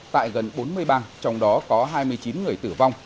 tại gần bốn mươi bang trong đó có hai mươi chín người tử vong